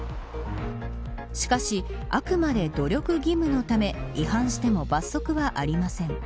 しかし、あくまで努力義務のため違反しても罰則はありません。